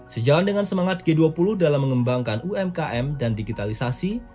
sejalan dengan semangat g dua puluh dalam mengembangkan umkm dan digitalisasi